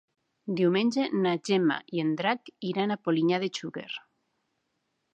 Diumenge na Gemma i en Drac iran a Polinyà de Xúquer.